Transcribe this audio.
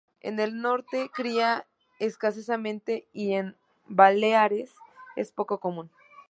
En el norte cría escasamente y en Baleares es poco común.